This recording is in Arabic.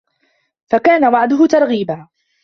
فَكَانَ وَعْدُهُ تَرْغِيبًا